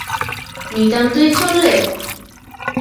– নিতান্তই চললে?